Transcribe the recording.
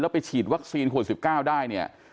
แล้วไปฉีดวัคซีนโขลด๑๙ได้